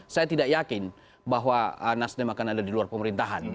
saya tidak yakin bahwa nasdem akan ada di luar pemerintahan